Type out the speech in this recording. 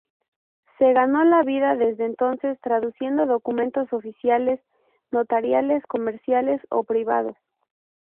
Se ganó la vida desde entonces traduciendo documentos oficiales, notariales, comerciales o privados.